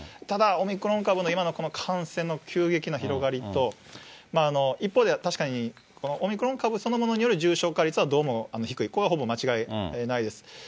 ただ、オミクロン株の今のこの感染の急激な広がりと、一方で確かにオミクロン株そのものによる重症化率はどうも低い、これはほぼ間違いないです。